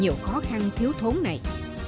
nhiều khó khăn thiếu thốn này